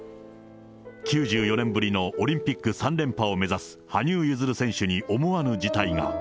９４年ぶりのオリンピック３連覇を目指す羽生結弦選手に思わぬ事態が。